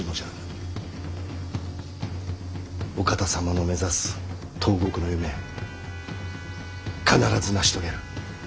お方様の目指す東国の夢必ず成し遂げる。